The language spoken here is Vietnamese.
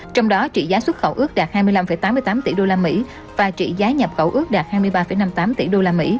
trong đó trị giá xuất khẩu ước đạt hai mươi năm tám mươi tám tỷ usd và trị giá nhập khẩu ước đạt hai mươi ba năm mươi tám tỷ usd